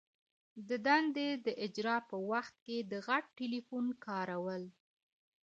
د دندي د اجرا په وخت کي د غټ ټلیفون کارول.